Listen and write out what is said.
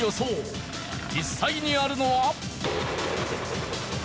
実際にあるのは。